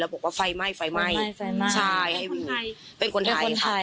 แล้วบอกว่าไฟไหม้ไฟไหม้ไฟไหม้ใช่เป็นคนไทยเป็นคนไทย